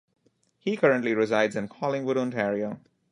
He currently resides in Collingwood, Ontario.